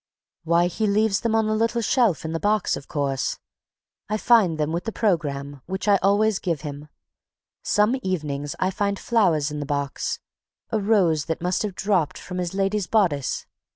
"Why, he leaves them on the little shelf in the box, of course. I find them with the program, which I always give him. Some evenings, I find flowers in the box, a rose that must have dropped from his lady's bodice